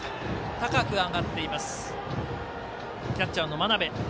高く上がってキャッチャーの真鍋。